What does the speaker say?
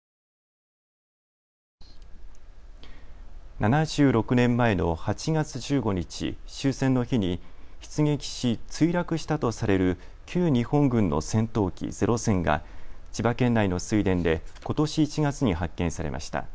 ７６年前の８月１５日終戦の日に出撃し墜落したとされる旧日本軍の戦闘機ゼロ戦が千葉県内の水田でことし１月に発見されました。